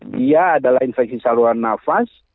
dia adalah infeksi saluran nafas